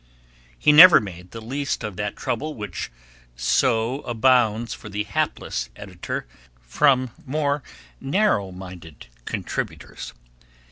He never made the least of that trouble which so abounds for the hapless editor from narrower minded contributors.